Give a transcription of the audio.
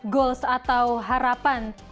goals atau harapan